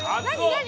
何？